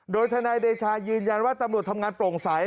โดยทนายเดชายืนยันว่าตำรวจทำงานโปร่งใส